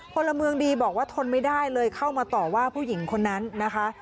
พลเมืองดีบอกว่าทนไม่ได้เลยเข้ามาต่อว่าผู้หญิงคนนั้นนะคะ